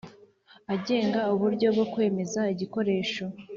agenga uburyo bwo kwemeza igikoresho .